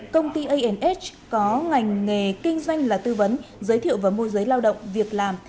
công ty anh có ngành nghề kinh doanh là tư vấn giới thiệu và môi giới lao động việc làm